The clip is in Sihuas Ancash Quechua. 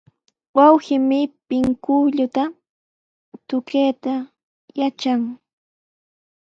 Wawqiimi pinkulluta tukayta yatran.